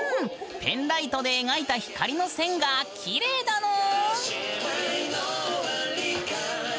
ペンライトで描いた光の線がきれいだぬん！